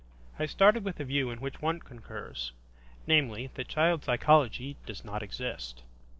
I started with a view in which Wundt concurs; namely, that child psychology does not exist.